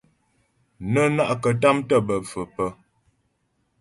Nə́ na'kətàm tə́ bə́ pfə̌ pə́.